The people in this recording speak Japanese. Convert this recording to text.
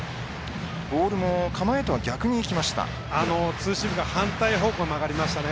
ボールも構えとは逆にいきましたね。